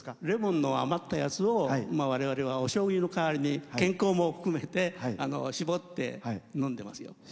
レモンの余ったやつをわれわれはおしょうゆの代わりに搾って、飲んでますよ。